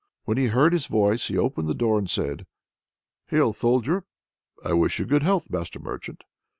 When he heard his voice he opened the door and said "Hail, Soldier!" "I wish you good health, master merchant."